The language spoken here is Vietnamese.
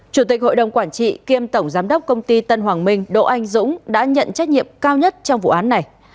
chủ tịch hội đồng quản trị kiêm tổng giám đốc công ty tân hoàng minh đỗ anh dũng đã nhận trách nhiệm cao nhất trong vụ án này